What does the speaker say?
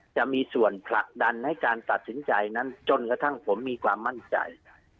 จะมีส่วนผลักดันให้การตัดสินใจนั้นจนกระทั่งผมมีความมั่นใจ